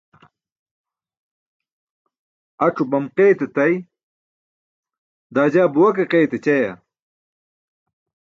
Ac̣o bam qayt etay, daa jaa buwa ke qayt ecayaa?